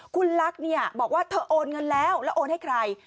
คุณลักษณ์เนี่ยบอกว่าเธอโอนเงินแล้วแล้วโอนให้ใคร